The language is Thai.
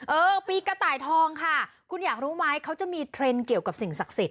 เออปีกระต่ายทองค่ะคุณอยากรู้ไหมเขาจะมีเทรนด์เกี่ยวกับสิ่งศักดิ์สิทธ